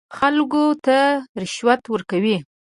خلکو ته رشوت ورکوي.